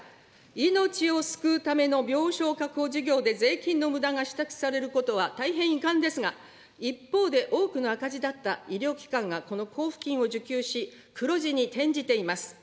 命を救うための病床確保事業で税金のむだが指摘されることは大変遺憾ですが、一方で多くの赤字だった医療機関がこの交付金を受給し、黒字に転じています。